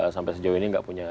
sampai sejauh ini nggak punya